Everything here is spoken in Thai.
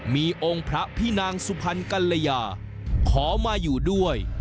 มีองค์พระพี่นางสุพรรณกัลยาขอมาอยู่ด้วย